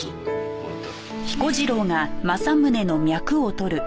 わかった。